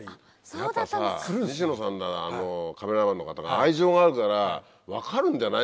やっぱさ西野さんやカメラマンの方が愛情があるから分かるんじゃない？